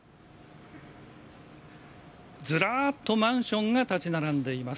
ずらっとマンションが建ち並んでいます。